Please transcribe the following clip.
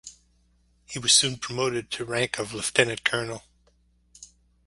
He was soon promoted to rank of Lieutenant Colonel.